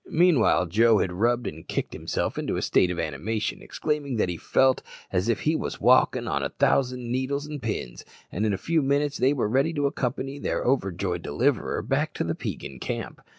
Meanwhile Joe had rubbed and kicked himself into a state of animation, exclaiming that he felt as if he wos walkin' on a thousand needles and pins, and in a few minutes they were ready to accompany their overjoyed deliverer back to the Peigan camp.